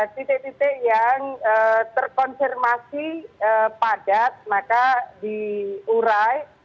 titik titik yang terkonfirmasi padat maka diurai